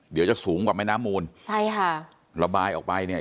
เดี๋ยวจะสูงกว่าแม่น้ำมูลใช่ค่ะระบายออกไปเนี่ย